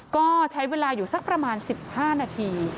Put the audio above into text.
ก็ใช้เวลาอยู่สักประมาณ๑๕นาที